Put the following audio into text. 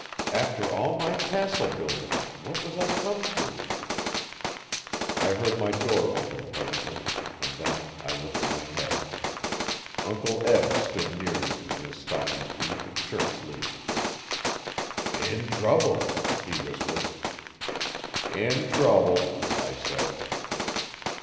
After all my castle building what was I come to? I heard my door open presently, and then I lifted my head. Uncle Eb stood near me in his stocking feet and shirt sleeves. 'In trouble,' he whispered. 'In trouble,' I said.